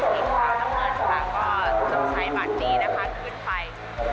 ที่จะได้อาทิตย์ของเพื่อนพี่น้องค่ะก็ต้องใช้บัตรดีขึ้นไฟ